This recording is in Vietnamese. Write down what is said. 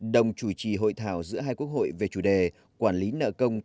đồng chủ trì hội thảo giữa hai quốc hội về chủ đề quản lý nợ công